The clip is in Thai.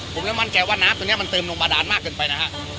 ผมไม่มั่นแกงว่าน้ำตัวนี้เติมตึงบัดาลมากเกินไปนะฮะ